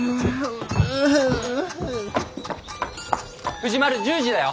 藤丸１０時だよ！